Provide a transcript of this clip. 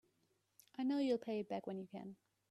I know you'll pay it back when you can.